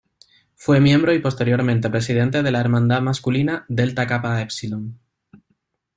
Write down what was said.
Fue miembro y posteriormente presidente de la hermandad masculina Delta Kappa Epsilon.